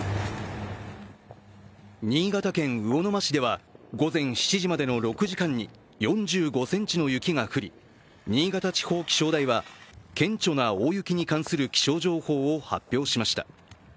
新潟県魚沼市では午前７時までの６時間に４５ｃｍの雪が降り、新潟地方気象台は顕著な大雪に関する気象情報を発表しました。